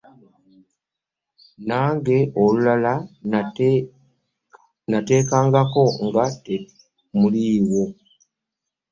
Nange olulala nateekangako nga temuliiwo.